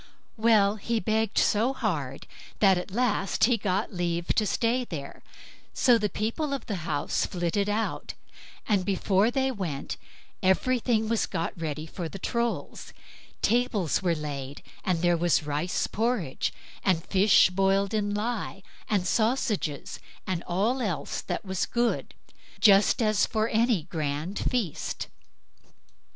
Well, he begged so hard, that at last he got leave to stay there; so the people of the house flitted out, and before they went, everything was got ready for the Trolls; the tables were laid, and there was rice porridge, and fish boiled in lye, and sausages, and all else that was good, just as for any other grand feast.